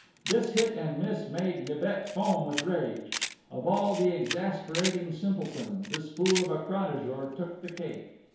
This hit and miss made Nibet foam with rage. Of all the exasperating simpletons, this fool of a Cranajour took the cake!